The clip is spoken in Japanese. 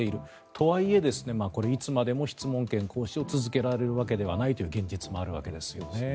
とはいえいつまでも質問権行使を続けられるわけではないという現実もあるわけですよね。